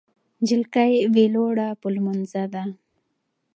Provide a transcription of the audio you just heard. جلکۍ ویلوړه په لمونځه ده